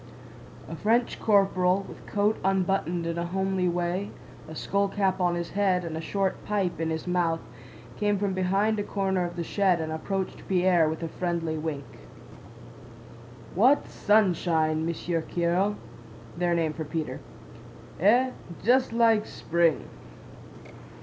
A French corporal, with coat unbuttoned in a homely way, a skullcap on his head, and a short pipe in his mouth, came from behind a corner of the shed and approached Pierre with a friendly wink. "What sunshine, Monsieur Kiril!" (Their name for Pierre.) "Eh? Just like spring!"